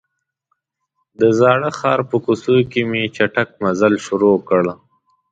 د زاړه ښار په کوڅو کې مې چټک مزل شروع کړ.